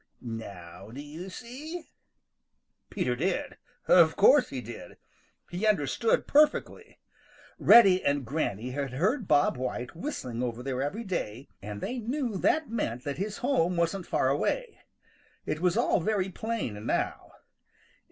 Now, do you see?" Peter did. Of course he did. He understood perfectly. Reddy and Granny had heard Bob White whistling over there every day, and they knew that meant that his home wasn't far away. It was all very plain now.